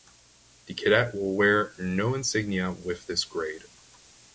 The cadet will wear no insignia with this grade.